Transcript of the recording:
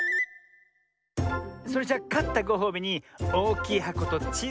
それじゃかったごほうびにおおきいはことちいさいはこ